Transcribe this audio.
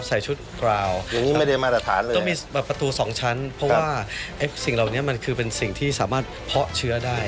ใส่ชุดกราวต้องมีประตู๒ชั้นเพราะว่าสิ่งเหล่านี้มันคือเป็นสิ่งที่สามารถเพาะเชื้อได้